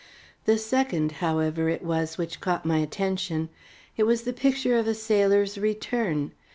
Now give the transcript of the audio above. The second, however, it was, which caught my attention. It was the picture of a sailor's return.